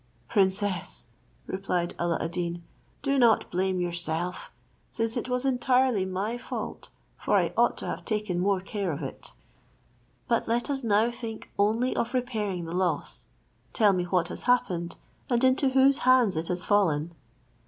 "Princess," replied Alla ad Deen, "do not blame yourself, since it was entirely my fault, for I ought to have taken more care of it. But let us now think only of repairing the loss; tell me what has happened, and into whose hands it has fallen."